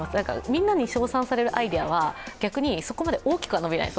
みんなに称賛されるアイデアは逆にそこまで大きくは伸びない。